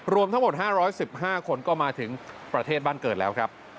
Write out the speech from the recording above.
รวมทั้งหมด๕๑๕คนก็มาถึงประเทศบ้านเกิดแล้วครับ